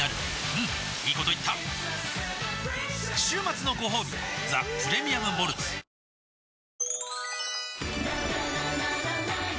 うんいいこと言った週末のごほうび「ザ・プレミアム・モルツ」おおーーッ